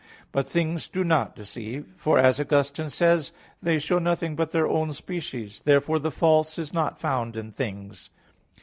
But things do not deceive; for, as Augustine says (De Vera Relig. 33), they show nothing but their own species. Therefore the false is not found in things.